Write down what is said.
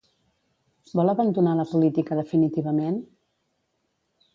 Vol abandonar la política definitivament?